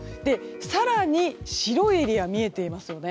更に白いエリア見えていますよね。